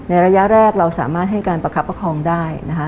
ระยะแรกเราสามารถให้การประคับประคองได้นะคะ